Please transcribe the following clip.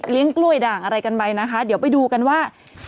กล้วยด่างอะไรกันไปนะคะเดี๋ยวไปดูกันว่า